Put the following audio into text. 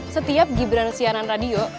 setiap gibran siaran radio